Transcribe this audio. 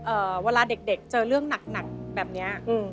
เอ่อเวลาเด็กเจอเรื่องหนักแบบเนี้ย